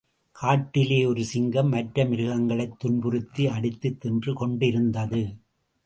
காட்டிலே ஒரு சிங்கம் மற்ற மிருகங்களைத் துன்புறுத்தி அடித்துத் தின்று கொண்டிருந்தது.